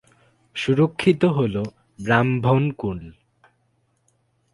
সুরক্ষিত হল ব্রাম্ভণকুল।